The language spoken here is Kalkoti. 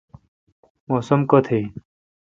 موسم کوتھ این۔